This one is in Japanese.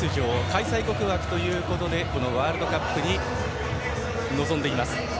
開催国枠ということでこのワールドカップに臨んでいます。